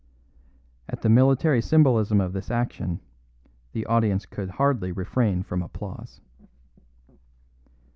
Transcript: At the military symbolism of the action the audience could hardly refrain from applause.